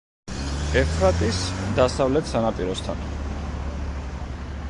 ევფრატის დასავლეთ სანაპიროსთან.